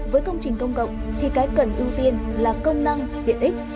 với công trình công cộng thì cái cần ưu tiên là công năng tiện ích